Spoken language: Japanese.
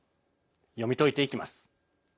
読み解いていきます。